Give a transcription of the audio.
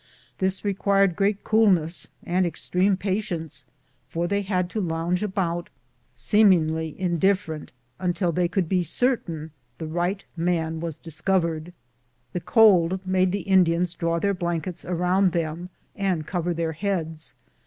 This required great coolness and extreme pa tience, for they had to lounge about, seemingly indiffer ent, until they could be certain the right man was dis covered. The cold made the Indians draw their blankets around them and over their heads.